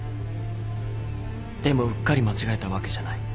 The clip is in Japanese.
でもうっかり間違えたわけじゃない。